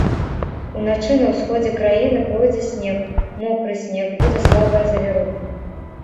Уначы на ўсходзе краіны пройдзе снег, мокры снег, будзе слабая завіруха.